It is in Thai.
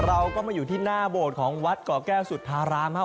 เราก็มาอยู่ที่หน้าโบสถ์ของวัดเกาะแก้วสุธารามฮะ